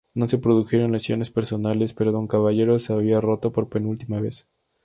No se produjeron lesiones personales, pero Don Caballero se había roto por penúltima vez.